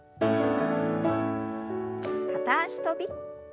片脚跳び。